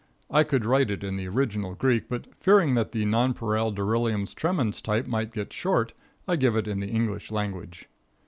I could write it in the original Greek, but, fearing that the nonpareil delirium tremens type might get short, I give it in the English language.